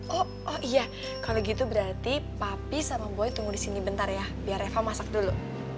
oh oh iya kalau gitu berarti papi sama buaya tunggu di sini bentar ya biar eva masak dulu